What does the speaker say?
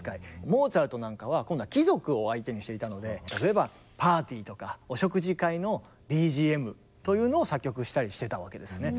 モーツァルトなんかは今度は貴族を相手にしていたので例えばパーティーとかお食事会のＢＧＭというのを作曲したりしてたわけですね。